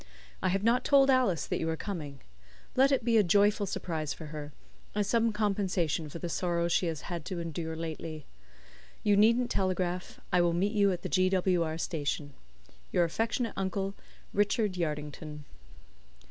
I have not told Alice that you are coming. Let it be a joyful surprise for her, as some compensation for the sorrows she has had to endure lately. You needn't telegraph. I will meet you at the G. W. R. station. "Your affectionate uncle, "RICHARD YARDINGTON."